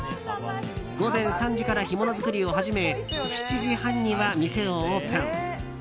午前３時から干物作りを始め７時半には店をオープン。